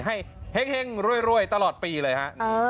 ให้แห่งรวยตลอดปีเลยฮะ